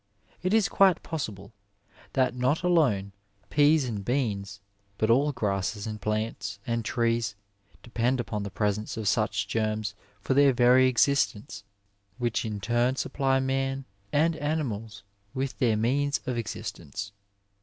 It is quite possible that not alone pease » and beans, but all grasses and plants and trees depend upon the presence of such germs for their very existence, which in turn supply man and animals with their means of existence.